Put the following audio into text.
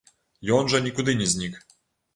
Ён жа нікуды не знік.